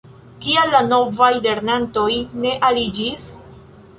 Kial la novaj lernantoj ne aliĝis?